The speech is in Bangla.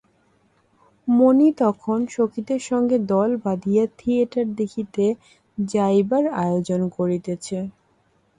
মণি তখন সখীদের সঙ্গে দল বাঁধিয়া থিয়েটার দেখিতে যাইবার আয়োজন করিতেছে।